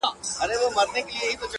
اوس به ورته ډېر .ډېر انـتـظـار كوم.